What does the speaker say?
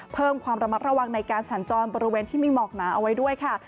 เพิ่มความระมัดระวังในการสัญจรบริเวณที่มีหมอกหนาเอาไว้ด้วยค่ะ